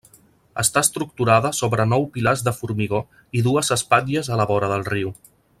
Està estructurada sobre nou pilars de formigó i dues espatlles a la vora del riu.